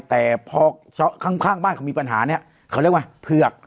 แต่พอข้างบ้านเขามีปัญหาเนี่ยเขาเรียกว่าเผือก